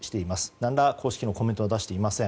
何ら公式のコメントは出していません。